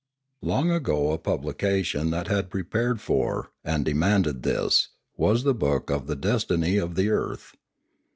Long ago a publication that had prepared for, and demanded this, was the book of the Destiny of the Earth.